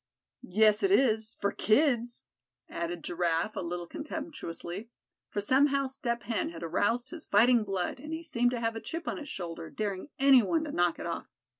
"Yes, it is, for kids," added Giraffe, a little contemptuously; for somehow Step Hen had aroused his fighting blood and he seemed to have a chip on his shoulder, daring any one to knock it off.